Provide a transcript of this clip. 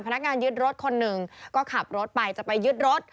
พนักงานยึดรถคนหนึ่งก็ขับรถไปจะไปยึดรถ